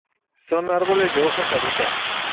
Son árboles de hoja caduca.